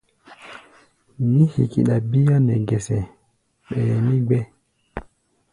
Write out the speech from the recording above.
Mí hikiɗa bíá nɛ gɛsɛ, ɓɛɛ mí gbɛ́.